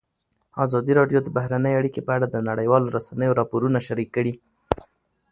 ازادي راډیو د بهرنۍ اړیکې په اړه د نړیوالو رسنیو راپورونه شریک کړي.